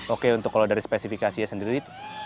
oke untuk kalau dari spesifikasinya sendiri